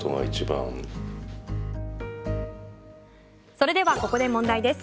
それではここで問題です。